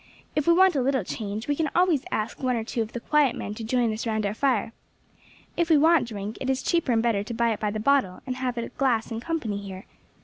"If we want a little change, we can always ask one or two of the quiet men to join us round our fire. If we want drink, it is cheaper and better to buy it by the bottle, and have a glass in company here.